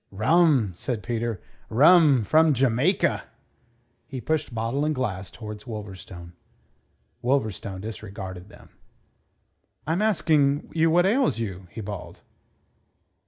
"Rum," said Peter. "Rum, from Jamaica." He pushed bottle and glass towards Wolverstone. Wolverstone disregarded them. "I'm asking you what ails you?" he bawled.